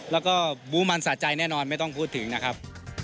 แล้วก็บูมันสะใจแน่นอนไม่ต้องพูดถึงนะครับ